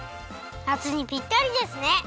夏にぴったりですね！